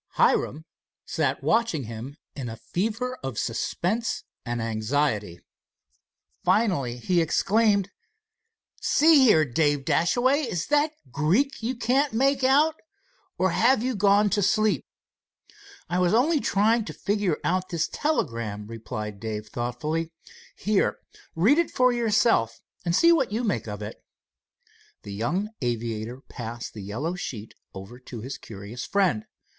Hiram sat watching him in a fever of suspense and anxiety. Finally he exclaimed: "See here, Dave Dashaway, is that Greek you can't make out, or have you gone to sleep?" "I was only trying to figure out this telegram," replied Dave thoughtfully. "Here, read it for yourself, and see what you make of it." The young aviator passed the yellow sheet over to his curious friend.